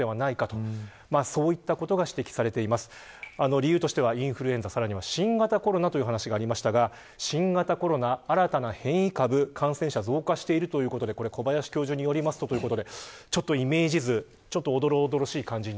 理由としてはインフルエンザ新型コロナという話がありましたが新型コロナ、新たな変異株感染者増加しているということで小林教授によりますとイメージ図がおどろおどろしい感じに